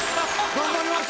頑張ります。